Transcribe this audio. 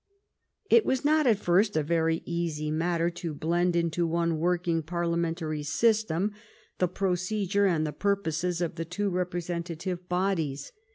It was not at first a very easy matter to blend into one working parliamentary system the procedure and the purposes of the two representative bodies.